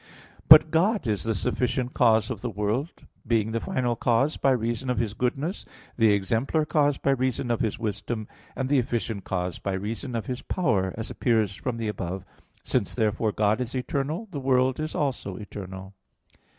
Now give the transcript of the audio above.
But God is the sufficient cause of the world; being the final cause, by reason of His goodness, the exemplar cause by reason of His wisdom, and the efficient cause, by reason of His power as appears from the above (Q. 44, AA. 2, 3, 4). Since therefore God is eternal, the world is also eternal.